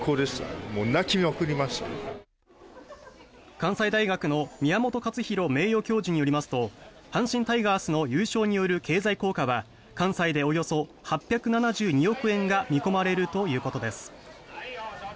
関西大学の宮本勝浩名誉教授によりますと阪神タイガースの優勝による経済効果は関西でおよそ８７２億円が見込まれるということです。